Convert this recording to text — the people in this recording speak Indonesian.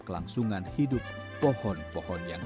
kelangsungan hidup pohon pohon yang